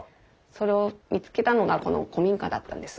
それを見つけたのがこの古民家だったんです。